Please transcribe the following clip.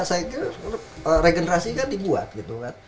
tapi ini kan regenerasi kan dibuat